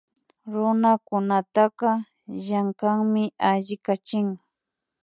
Runakunataka llankanmi alli yachik